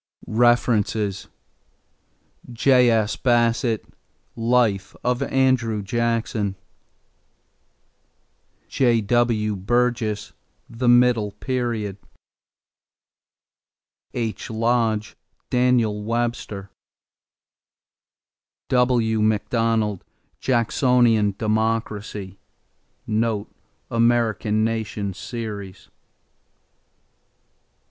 =References= J.S. Bassett, Life of Andrew Jackson. J.W. Burgess, The Middle Period. H. Lodge, Daniel Webster. W. Macdonald, Jacksonian Democracy (American Nation Series).